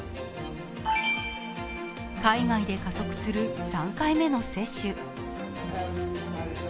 海外で加速する３回目の接種。